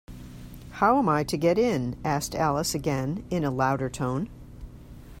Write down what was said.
‘How am I to get in?’ asked Alice again, in a louder tone.